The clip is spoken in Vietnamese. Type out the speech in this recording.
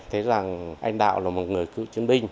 thấy rằng anh đạo là một người cựu chiến binh